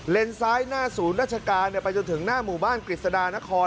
ซ้ายหน้าศูนย์ราชการไปจนถึงหน้าหมู่บ้านกฤษฎานคร